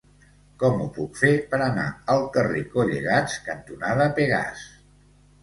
Com ho puc fer per anar al carrer Collegats cantonada Pegàs?